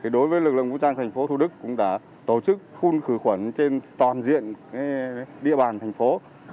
đối với lực lượng vũ trang tp thủ đức cũng đã tổ chức khuôn khứ quấn trên toàn diện địa bàn thành phố